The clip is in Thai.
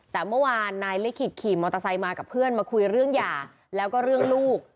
แต่เมื่อวานนายลิขิตขี่มอเตอร์ไซค์มากับเพื่อนมาคุยเรื่องหย่าแล้วก็เรื่องลูก